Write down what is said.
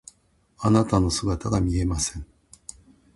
あなたの姿が見えません。